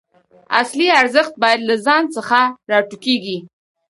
اصلي ارزښت باید له ځان څخه راټوکېږي.